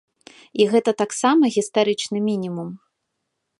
І гэта таксама гістарычны мінімум.